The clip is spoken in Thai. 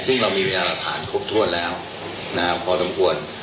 ซึ่งเรามีเอารัฐานครบถ้วนแล้วนะครับพอทานควร